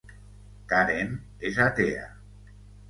Karen és atea.